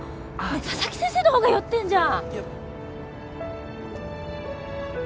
佐々木先生のほうが酔ってるじゃん！